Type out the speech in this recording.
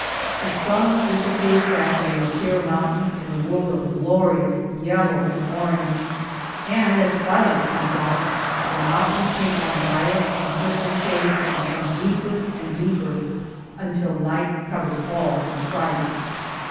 The sun disappears back of the Oquirah Mountains in a world of glorious yellow and orange, and as twilight comes on, the mountains take on violet and purple shades that become deeper and deeper, until night covers all from sight.